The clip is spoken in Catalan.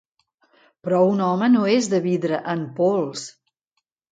Però un home no és de vidre en pols!